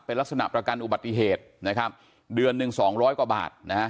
เป็นลักษณะประกันอุบัติเหตุนะครับเดือนหนึ่งสองร้อยกว่าบาทนะฮะ